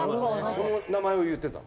この名前を言ってたの？